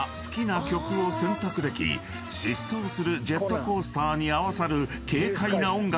［疾走するジェットコースターに合わさる軽快な音楽で］